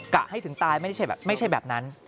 กะให้ถึงตายไม่ใช่แบบนั้น